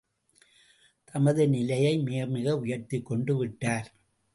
தமது நிலையை மிகமிக உயர்த்திக் கொண்டு விட்டார்!